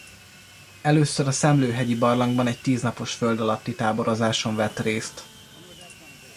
Először a Szemlő-hegyi-barlangban egy tíz napos föld alatti táborozáson vett részt.